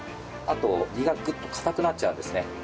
あと身がグッと固くなっちゃうんですね。